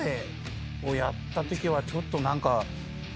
やったときはちょっと何か。